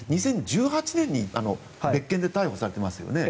２０１８年に別件で逮捕されてますよね。